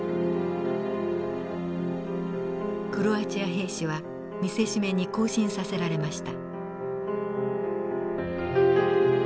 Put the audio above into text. クロアチア兵士は見せしめに行進させられました。